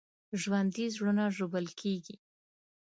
ژوندي زړونه ژوبل کېږي